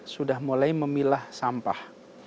sudah mulai memilah sampah